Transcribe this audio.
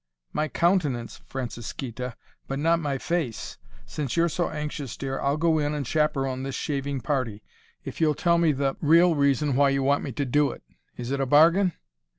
"My countenance, Francisquita, but not my face. Since you're so anxious, dear, I'll go in and chaperon this shaving party if you'll tell me the real reason why you want me to do it. Is it a bargain?"